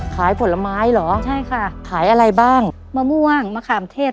ขายผลไม้เหรอใช่ค่ะขายอะไรบ้างมะม่วงมะขามเทศ